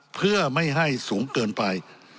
เพื่อไม่ให้สูงเกินไป